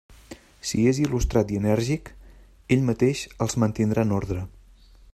Si és il·lustrat i enèrgic, ell mateix els mantindrà en ordre.